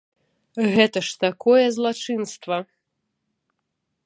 Гэта ж такое злачынства!